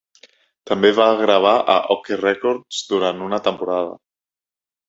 També va gravar a Okeh Records durant una temporada.